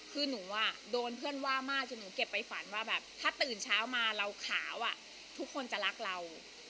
คือหนูโดนเพื่อนว่ามากจนหนูเก็บไปฝันว่าแบบถ้าตื่นเช้ามาเราขาวทุกคนจะรักเรา